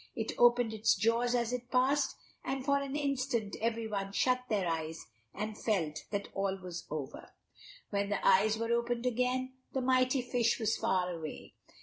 It opened its jaws as it passed, and for an instant everyone shut their eyes and felt that all was over. When the eyes were opened again, the mighty fish was far away.